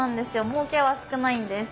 もうけは少ないんです。